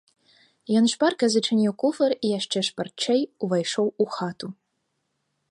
Ён шпарка зачыніў куфар і яшчэ шпарчэй увайшоў у хату.